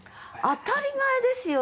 当たり前ですよ。